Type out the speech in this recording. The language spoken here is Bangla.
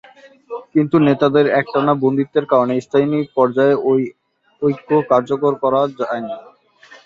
কিন্তু নেতাদের একটানা বন্দিত্বের কারণে স্থানীয় পর্যায়ে এ ঐক্য কার্যকর করা যায় নি।